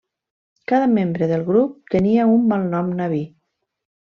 Cada membre del grup tenia un malnom nabí.